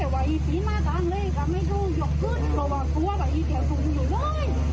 วัยตีมาตรงเลยค่ะไม่รู้ยอบขึ้นประวัติศัพท์วัยอีแก่สูงอยู่เลย